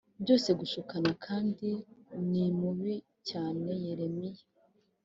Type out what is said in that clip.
Byose gushukana kandi ni mubi cyane yeremiya